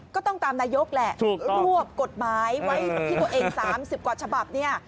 ก็ต้องตามนายกแหละรวบกฎหมายไว้ที่ตัวเอง๓๐กว่าฉบับเนี่ย